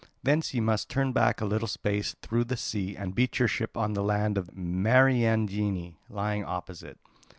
Thence ye must turn back a little space through the sea and beach your ship on the land of the Mariandyni lying opposite.